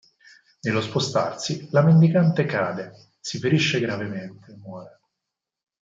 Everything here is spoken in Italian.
Nello spostarsi, la mendicante cade, si ferisce gravemente e muore.